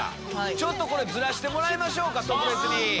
ちょっとずらしてもらいましょう特別に。